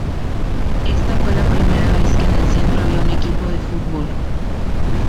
Esta fue la primera vez que en el centro había un equipo de fútbol.